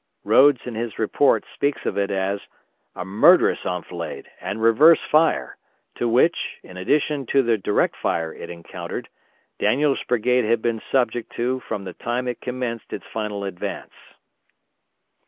Rodes in his report speaks of it as "a murderous enfilade, and reverse fire, to which, in addition to the direct fire it encountered, Daniel's brigade had been subject to from the time it commenced its final advance."